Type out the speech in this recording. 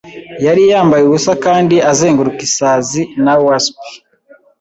Yari yambaye ubusa kandi azenguruka isazi na wasp